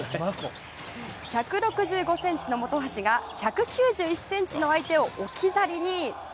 １６５ｃｍの本橋が１９１ｃｍの相手を置き去りに。